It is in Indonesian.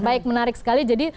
baik menarik sekali